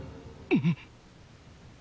うん？